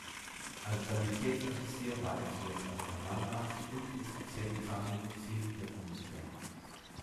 Als Sanitätsoffizier war er zuletzt Admiralarzt und Inspizient Zahnmedizin der Bundeswehr.